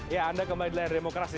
ya anda kembali di layar demokrasi